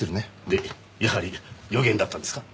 でやはり予言だったんですか？